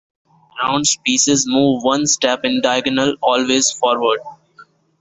Rounds pieces move one step in diagonal, always forward.